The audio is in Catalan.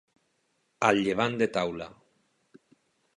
Al llevant de taula.